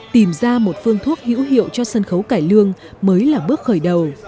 tìm ra một phương thuốc hữu hiệu cho sân khấu cải lương mới là bước khởi đầu